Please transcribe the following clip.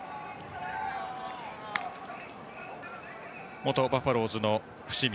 元バファローズの伏見。